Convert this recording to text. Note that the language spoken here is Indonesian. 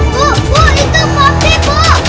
bu bu itu poppy bu